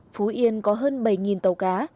phú yên có hơn bảy tàu cá